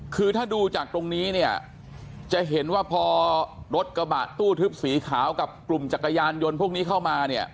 คือถ้าดูจากตรงนี้เนี่ยจะเห็นว่าพอรถกระบะตู้ทึบสีขาวกับกลุ่มจักรยานยนต์พวกนี้เข้ามาเนี่ย